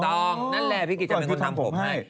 ต้องนั่นแหละพี่กริชบอกจะเป็นคนทำผมให้